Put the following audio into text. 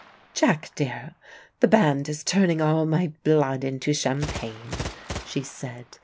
"Jack dear, the band is turning all my blood into champagne," she said.